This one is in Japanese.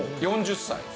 ４０歳。